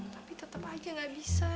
tapi tetap aja gak bisa